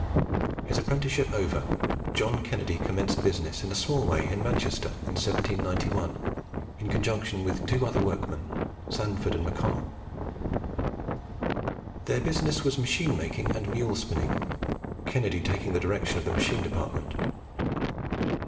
His apprenticeship over, John Kennedy commenced business in a small way in Manchester in 1791, in conjunction with two other workmen, Sandford and MacConnel. Their business was machine making and mule spinning, Kennedy taking the direction of the machine department.